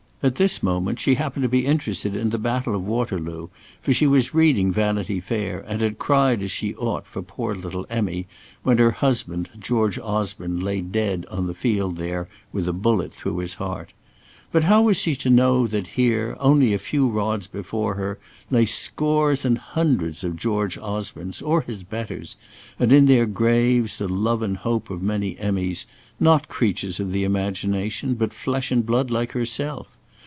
At this moment, she happened to be interested in the baffle of Waterloo, for she was reading "Vanity Fair," and had cried as she ought for poor little Emmy, when her husband, George Osborne, lay dead on the field there, with a bullet through his heart. But how was she to know that here, only a few rods before her, lay scores and hundreds of George Osbornes, or his betters, and in their graves the love and hope of many Emmys, not creatures of the imagination, but flesh and blood, like herself?